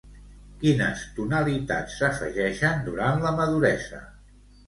Quines tonalitats s'afegeixen durant la maduresa?